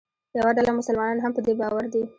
یوه ډله مسلمانان هم په دې باور دي.